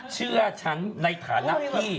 เชื่อฉันในฐานะที่